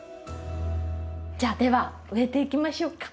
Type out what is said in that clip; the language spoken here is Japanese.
じゃあでは植えていきましょうか。